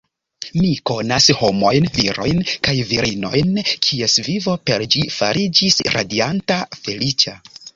Mi konas homojn, virojn kaj virinojn, kies vivo per ĝi fariĝis radianta, feliĉa.